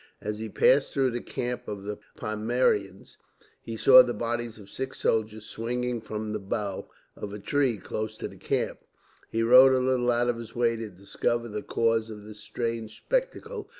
As he passed through the camp of the Pomeranians, he saw the bodies of six soldiers swinging from the bough of a tree, close to the camp. He rode a little out of his way to discover the cause of this strange spectacle.